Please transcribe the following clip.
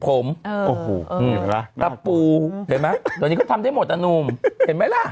ผมปลาปูเห็นไหมเดี๋ยวนี้ก็ทำได้หมดอ่ะนุ่มเห็นไหมล่ะ